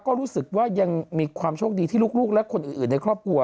ก็รู้สึกว่ายังมีความโชคดีที่ลูกและคนอื่นในครอบครัว